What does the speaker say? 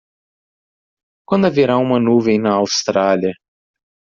Quando haverá uma nuvem na Austrália?